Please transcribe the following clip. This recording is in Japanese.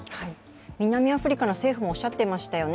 南アフリカの政府もおっしゃっていましたよね。